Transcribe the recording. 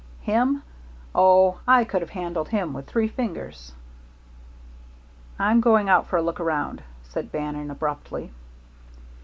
"Him! Oh, I could have handled him with three fingers." "I'm going out for a look around," said Bannon, abruptly.